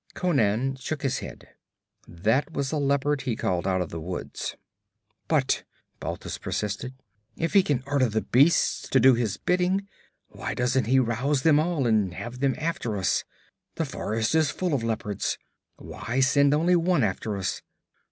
Conan shook his head. 'That was a leopard he called out of the woods.' 'But,' Balthus persisted, 'if he can order the beasts to do his bidding, why doesn't he rouse them all and have them after us? The forest is full of leopards; why send only one after us?'